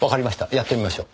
やってみましょう。